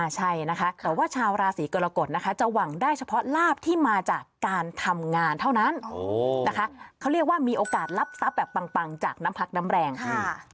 ใช่นะคะแต่ว่าชาวราศีกรกฎนะคะจะหวังได้เฉพาะลาบที่มาจากการทำงานเท่านั้นนะคะเขาเรียกว่ามีโอกาสรับทรัพย์แบบปังจากน้ำพักน้ำแรงค่ะ